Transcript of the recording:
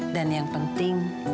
dan yang penting